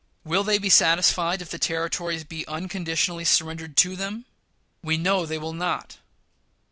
Will they be satisfied if the Territories be unconditionally surrendered to them? We know they will not.